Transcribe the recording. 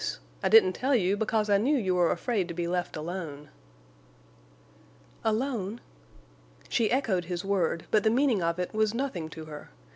I didn't tell you, because I knew you were afraid to be left alone." "Alone?" She echoed his word, but the meaning of it was nothing to her.